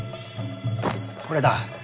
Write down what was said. これだ。